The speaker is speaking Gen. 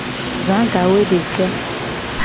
Za gawoedeke.